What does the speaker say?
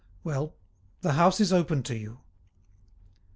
Well, the house is open to you!"